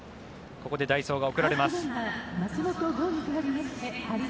ここで代走が送られます。